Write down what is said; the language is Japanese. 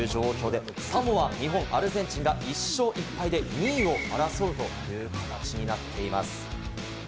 サモア、日本、アルゼンチンが１勝１敗で２位を争うという形になっています。